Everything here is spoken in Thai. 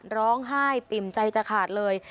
ร้องไห้ปิ่มใจจะขาดเลย